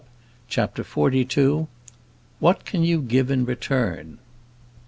CHAPTER XLII What Can You Give in Return?